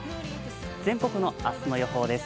全国の明日の予報です。